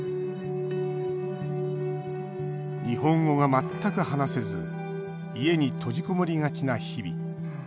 日本語が全く話せず家に閉じこもりがちな日々。